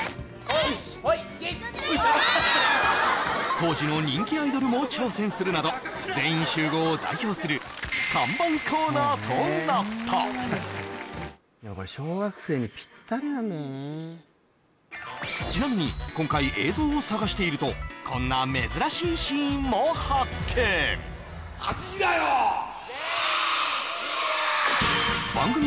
当時の人気アイドルも挑戦するなど「全員集合」を代表する看板コーナーとなったちなみに今回映像を探しているとこんな「８時だョ！」